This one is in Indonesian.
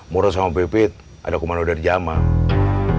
murad sama pipit ada komando dari jamal